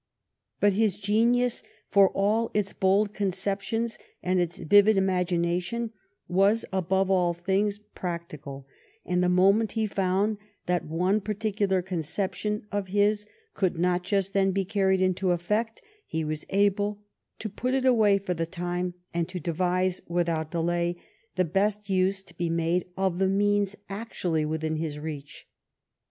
But his genius, for all its bold conceptions and its vivid im agination, was, above all things, practical, and the moment he found that one particular conception of his could not just then be carried into effect, he was able to put it away for the time and to devise, without delay, the best use to be made of the means actually within his reach.